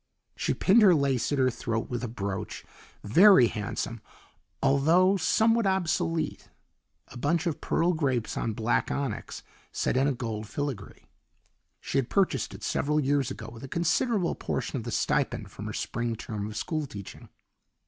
She pinned her lace at her throat with a brooch, very handsome, although somewhat obsolete a bunch of pearl grapes on black onyx, set in gold filagree. She had purchased it several years ago with a considerable portion of the stipend from her spring term of school teaching.